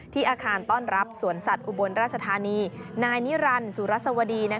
อาคารต้อนรับสวนสัตว์อุบลราชธานีนายนิรันดิสุรสวดี